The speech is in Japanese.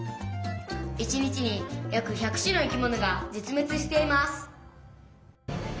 「一日に約１００種の生き物が絶滅しています」。